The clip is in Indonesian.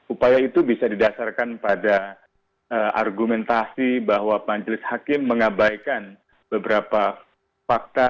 upaya itu bisa didasarkan pada argumentasi bahwa majelis hakim mengabaikan beberapa fakta